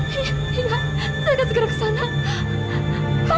tika silahkan segera ke sana